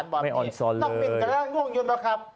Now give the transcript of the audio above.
สวัสดีครับ